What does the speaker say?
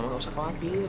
nggak usah khawatir